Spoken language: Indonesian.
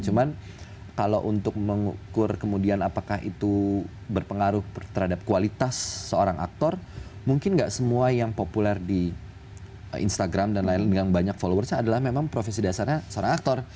cuman kalau untuk mengukur kemudian apakah itu berpengaruh terhadap kualitas seorang aktor mungkin gak semua yang populer di instagram dan lain lain dengan banyak followersnya adalah memang profesi dasarnya seorang aktor